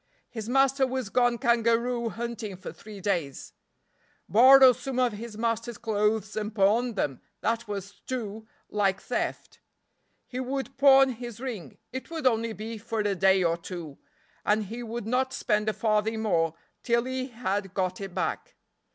His master was gone kangaroo hunting for three days. Borrow some of his master's clothes and pawn them, that was too like theft. He would pawn his ring, it would only be for a day or two, and he would not spend a farthing more till he had got it back.